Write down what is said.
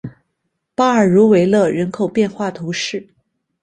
巴尔茹维勒人口变化图示